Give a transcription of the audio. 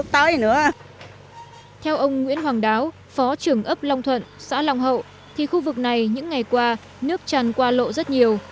theo ông nguyễn hoàng đáo phó trưởng ấp long thuận xã long hậu thì khu vực này những ngày qua nước tràn qua lộ rất nhiều